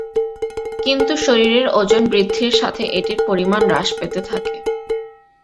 কিন্তু শরীরের ওজন বৃদ্ধির সাথে এটির পরিমাণ হ্রাস পেতে থাকে।